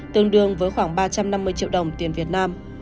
tương đương với khoảng ba trăm năm mươi triệu đồng tiền việt nam